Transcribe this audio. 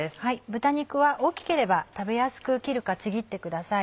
豚肉は大きければ食べやすく切るかちぎってください